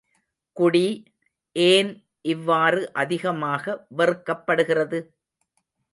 குடி, ஏன் இவ்வாறு அதிகமாக வெறுக்கப்படுகிறது?